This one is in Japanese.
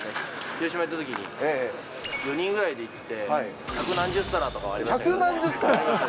広島いたときに、４人ぐらいで行って、百何十皿とかはありました